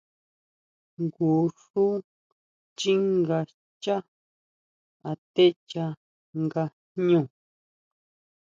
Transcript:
Jngu xú xchínga xchá atechá nga jñú.